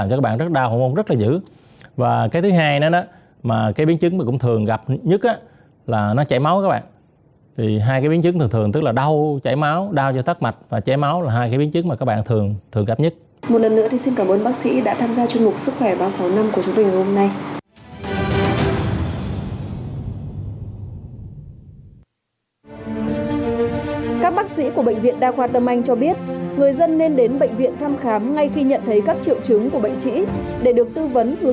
chương trình vừa rồi cũng đã kết thúc mục sức khỏe ba sáu năm ngày hôm nay